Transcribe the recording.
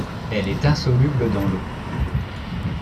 Il est insoluble dans l'eau.